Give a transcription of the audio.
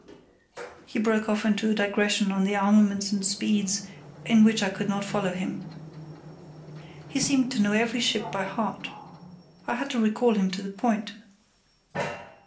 He broke off into a digression on armaments and speeds in which I could not follow him. He seemed to know every ship by heart. I had to recall him to the point.